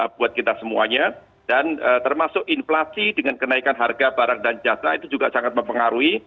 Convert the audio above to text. buat kita semuanya dan termasuk inflasi dengan kenaikan harga barang dan jasa itu juga sangat mempengaruhi